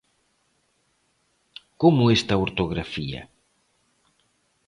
Como esta ortografía.